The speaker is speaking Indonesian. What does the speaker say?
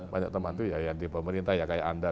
banyak teman itu ya yang di pemerintah ya kayak anda